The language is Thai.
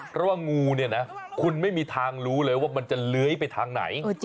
เพราะว่างูเนี่ยนะคุณไม่มีทางรู้เลยว่ามันจะเลื้อยไปทางไหน